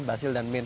basil dan mint